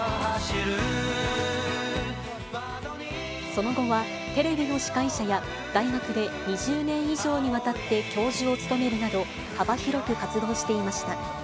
その後は、テレビの司会者や大学で２０年以上にわたって教授を務めるなど、幅広く活動していました。